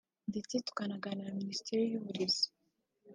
ndetse tukanaganira na Minisiteri y’uburezi